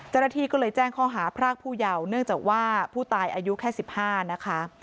จรฐีก็เลยแจ้งข้อหาพรากผู้ยาวเนื่องจากว่าผู้ตายอายุแค่สิบห้านะคะ